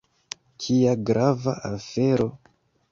Kia grava afero!